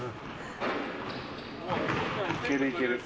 いける、いける。